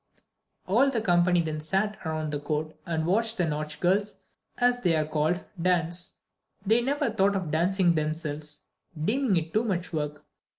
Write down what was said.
All the company then sat around the court and watched the nautch girls, as they are called, dance. They never thought of dancing themselves, deeming it too much work.